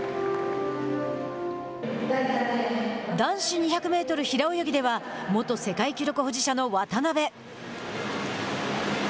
男子２００メートル平泳ぎでは元世界記録保持者の渡辺。